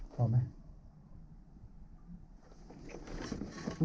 พอไหม